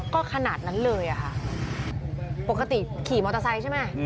ก็ขนาดนั้นเลยอะค่ะปกติขี่มอเตอร์ไซค์ใช่ไหม